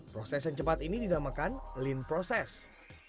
proses yang cepat ini dinamakan lean process